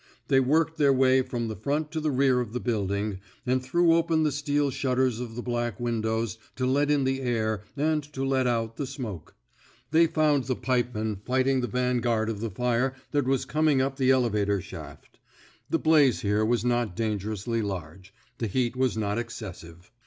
They worked their way from the front to the rear of the building, and threw open the steel shutters of the back windows to let in the air and to let out the smoke. They found the pipemen fighting the van guard of the fire that was coming up the 15 THE SMOKE EATERS elevator shaft. The blaze here was not dangerously large; the heat was not exces sive.